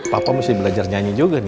papa mesti belajar nyanyi juga nih